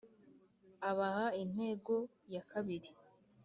abaha intego ya kabiri.